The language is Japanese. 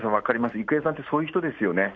郁恵さんって、そういう人ですよね。